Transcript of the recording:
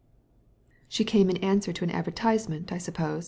"She came in answer to an advertisement, I suppose